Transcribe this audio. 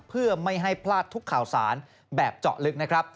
เพื่อไม่ให้พลาดทุกข่าวสารแบบเจาะลึกนะครับ